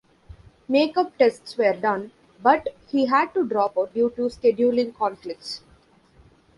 Make-up tests were done, but he had to drop out due to scheduling conflicts.